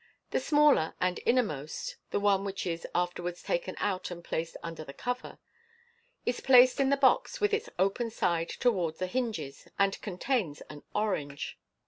The smaller and innermost (the one which is afterwards taken out and placed under the cover) is placed in the box with its open side towards the hinges, and contains an orange.